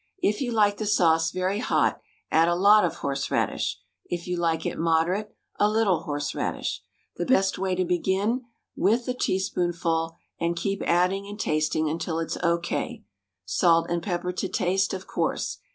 If you like the sauce very hot add a lot of horseradish. If you like it moderate, a little horseradish. The best way is to begin with a tea spoonful and keep adding and tasting until it's O. K. Salt and pepper to taste, of course.